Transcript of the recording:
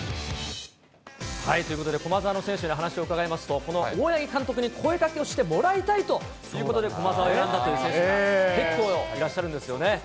ということで駒澤の選手に話を伺いますと、この大八木監督に声掛けをしてもらいたいということで、駒澤を選んだという選手が結構いらっしゃるんですよね。